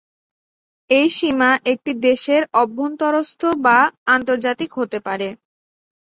এই সীমা একটি দেশের অভ্যন্তরস্থ বা আন্তর্জাতিক হতে পারে।